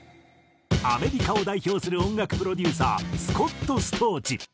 アメリカを代表する音楽プロデューサースコット・ストーチ。